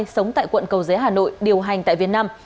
sống tại quận cầu giấy hà nội điều hành tại việt nam